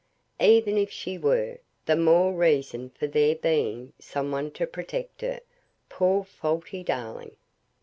Even if she were, the more reason for there being some one to protect her; poor, faulty darling.